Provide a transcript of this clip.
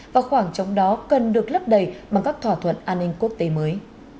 và khoảng trống đó cần được lấp đầy bằng các thỏa thuận an ninh quốc tế mới